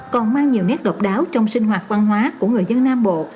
còn mang nhiều nét độc đáo trong sinh hoạt văn hóa của người dân nam bộ